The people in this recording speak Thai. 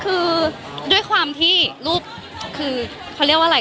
คือด้วยความที่รูปคือเขาเรียกว่าอะไร